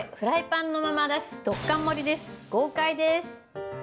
豪快です。